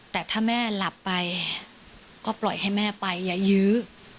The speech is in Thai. แต่ถ้าแม่หลับไปก็ปล่อยให้แม่ไปอย่ายื้อ